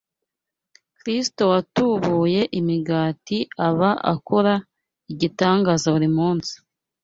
Kristo watubuye imigati aba akora igitangaza buri munsi